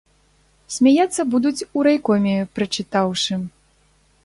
Смяяцца будуць у райкоме, прачытаўшы.